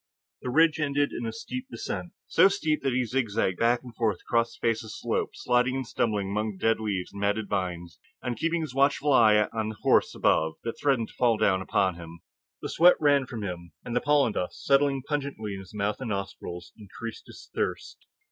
The ridge ended in a steep descent so steep that he zigzagged back and forth across the face of the slope, sliding and stumbling among the dead leaves and matted vines and keeping a watchful eye on the horse above that threatened to fall down upon him. The sweat ran from him, and the pollen dust, settling pungently in mouth and nostrils, increased his thirst.